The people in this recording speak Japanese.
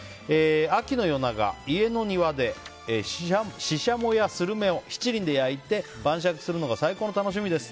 秋の夜長、家の庭でシシャモやスルメを七輪で焼いて晩酌するのが最高の楽しみです。